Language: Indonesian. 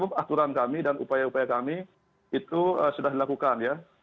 aturan kami dan upaya upaya kami itu sudah dilakukan ya